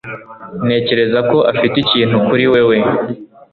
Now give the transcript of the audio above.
Ntekereza ko afite ikintu kuri wewe.